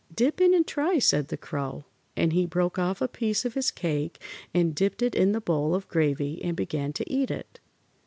"Dip in and try," said the Crow, and he broke off a piece of his cake and dipped it in the bowl of gravy and began to eat it.